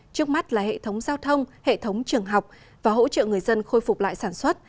trước mắt là hệ thống giao thông hệ thống trường học và hỗ trợ người dân khôi phục lại sản xuất